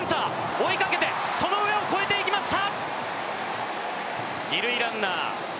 追いかけてその上を越えていきました。